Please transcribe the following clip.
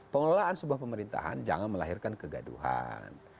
pengelolaan sebuah pemerintahan jangan melahirkan kegaduhan